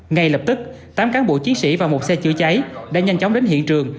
ngay lập tức tám cán bộ chiến sĩ và một xe chữa cháy đã nhanh chóng đến hiện trường